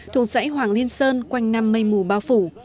thuộc dãy hoàng liên sơn quanh năm mây mù bao phủ